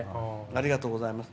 ありがとうございます。